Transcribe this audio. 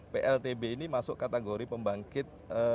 pltb ini masuk kategori pembangkit